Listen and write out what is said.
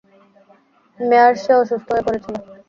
মেয়ার সে অসুস্থ হয়ে পড়েছিলো।